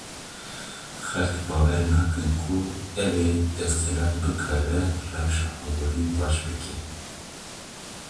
Xelk bawer nakin ku ew ê desthilat bikare rewşa aborî baş bike.